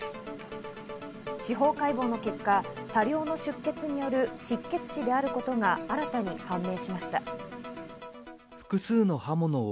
司法解剖の結果、多量の出血による失血死であることが新たに判明しました。